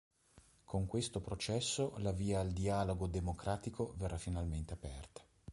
Con questo processo la via al dialogo democratico verrà finalmente aperta".